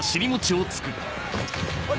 おい！